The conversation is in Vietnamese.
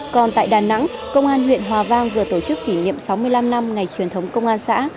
còn tại đà nẵng công an huyện hòa vang vừa tổ chức kỷ niệm sáu mươi năm năm ngày truyền thống công an xã